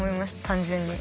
単純に。